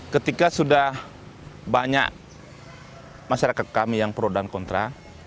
ketika sudah banyak masyarakat kami yang pro dan kontra